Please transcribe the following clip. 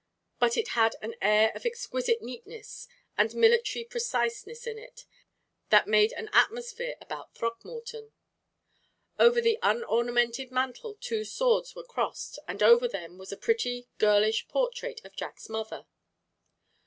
But it had an air of exquisite neatness and military preciseness in it that made an atmosphere about Throckmorton. Over the unornamented mantel two swords were crossed, and over them was a pretty, girlish portrait of Jack's mother.